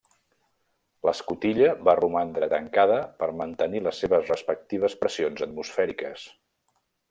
L'escotilla va romandre tancada per mantenir les seves respectives pressions atmosfèriques.